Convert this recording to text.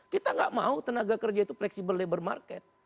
kita nggak mau tenaga kerja itu fleksibel labor market